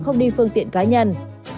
không đi phương tiện cá nhân